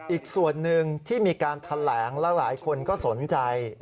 อีกส่วนหนึ่งที่มีการแถลงแล้วหลายคนก็สนใจ